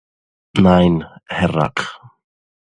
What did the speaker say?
Nein, Herr Rack.